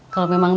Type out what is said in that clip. kalau memang dede